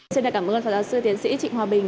xin cảm ơn phó giáo sư tiến sĩ trịnh hòa bình